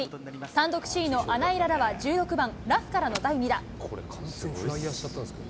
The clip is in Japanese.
単独首位の穴井詩は１６番、ラフからの第２打。